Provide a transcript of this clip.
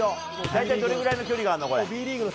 大体どれくらいの距離があるの？